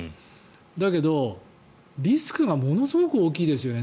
だけど、リスクがものすごく大きいですよね。